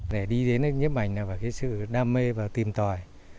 để đi đến nhếp ảnh là phải cái sự đam mê và tìm tòi